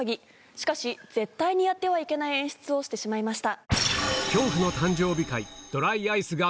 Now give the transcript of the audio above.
しかし絶対にやってはいけない演出をしてしまいました。